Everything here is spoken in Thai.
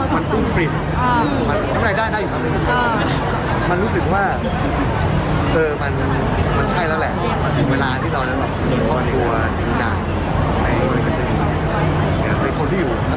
วางแกนไม่นานหรอคะ